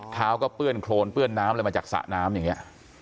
เท้าก็เปื้อนโครนเปื้อนน้ำอะไรมาจากสระน้ำอย่างนี้